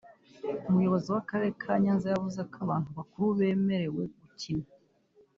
Umuyobozi w’Akarere ka Nyanza yavuze abantu bakuru bemerewe gukina